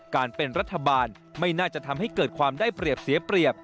การเป็นรัฐบาลไม่น่าจะทำให้เกิดความได้เปรียบเสียเปรียบ